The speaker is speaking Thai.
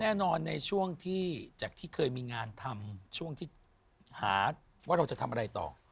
แน่นอนในช่วงที่จากที่เคยมีงานทำช่วงที่หาว่าเราจะทำอะไรต่อ